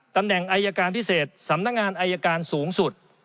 ตำแหน่งอายการพิเศษ